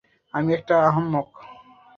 আমি একটা আহাম্মক।